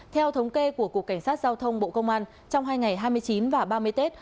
theo thống kê của cục cảnh sát giao thông bộ công an trong hai ngày hai mươi chín và ba mươi tết